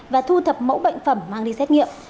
và thu thập mẫu bệnh phẩm mang đi xét nghiệm